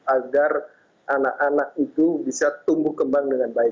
agar anak anak itu bisa tumbuh kembang dengan baik